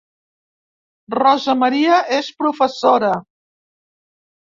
Rosa Maria és professora